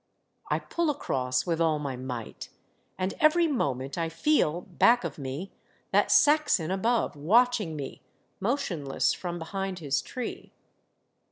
I pull across with all my might, and every moment I feel, back of me, that Saxon above, watching me, motionless, from behind his tree.